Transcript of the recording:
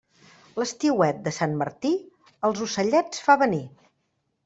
L'estiuet de Sant Martí els ocellets fa venir.